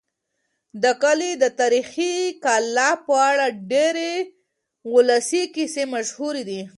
د کلي د تاریخي کلا په اړه ډېرې ولسي کیسې مشهورې دي.